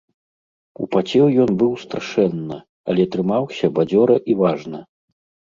Упацеў ён быў страшэнна, але трымаўся бадзёра і важна.